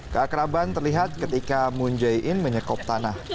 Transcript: keakraban terlihat ketika mun jai in menyekop tanah